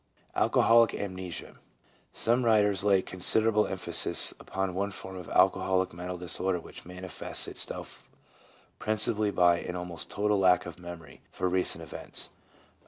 Alcoholic Amnesia. — Some writers 1 lay consider able emphasis upon one form of alcoholic mental disorder which manifests itself principally by an almost total lack of memory for recent events.